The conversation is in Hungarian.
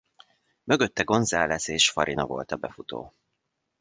Mögötte González és Farina volt a befutó.